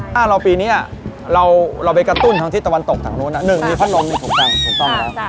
ถ้าเราปีนี้เราไปกระตุ้นทางที่ตะวันตกทางนู้น๑มีพัดลมนี่ถูกต้องถูกต้องแล้ว